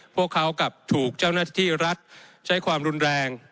พวกเขากลับถูกเจ้าหน้าที่รัฐใช้ความรุนแรง